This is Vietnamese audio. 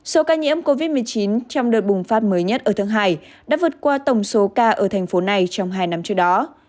số ca nhiễm covid một mươi chín trong đợt bùng phát mới nhất ở thượng hải đã vượt qua tổng số ca ở thành phố này trong hai năm trước đó